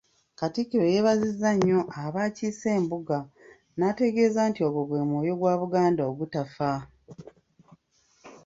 Katikkiro yeebazizza nnyo abaakiise embuga n’ategeeza nti ogwo gwe mwoyo gwa Buganda ogutafa.